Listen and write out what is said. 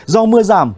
do mưa giảm